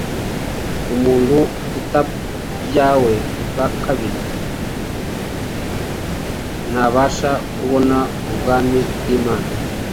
umuntu utabyawe ubwa kabiri, ntabasha kubona ubwami bw’Imana.